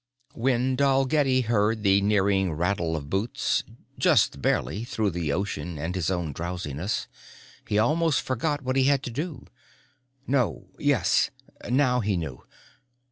When Dalgetty heard the nearing rattle of boots just barely through the ocean and his own drowsiness he almost forgot what he had to do. No, yes, now he knew.